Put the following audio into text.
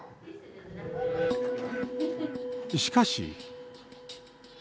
しかし。